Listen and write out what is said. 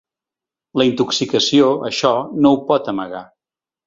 La intoxicació, això, no ho pot amagar.